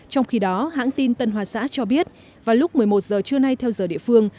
trong khi đó hãng tin tân hoa xã cho biết vào lúc một mươi một giờ trưa nay theo giờ địa phương